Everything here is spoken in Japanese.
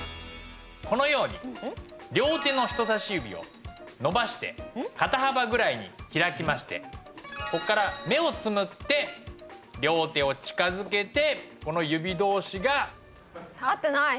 このように両手の人差し指を伸ばして肩幅ぐらいに開きましてここから目をつむって両手を近づけてこの指同士が合ってない